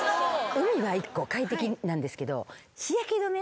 海は１個快適なんですけど日焼け止め